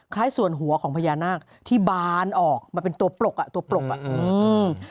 ส่วนหัวของพญานาคที่บานออกมาเป็นตัวปลกอ่ะตัวปลกอ่ะอืม